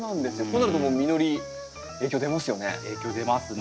こうなるともう実り影響出ますよね？